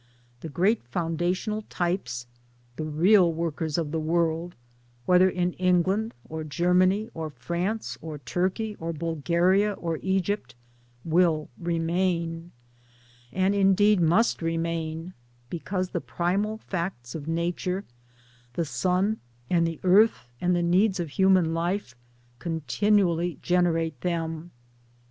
The great foundational types, the real workers of the world whether in England or Germany or France, or Turkey or Bulgaria or Egypt will remain, and indeed must remain because the primal facts of Nature, the sun and the earth and the needs of human life, con tinually generate them.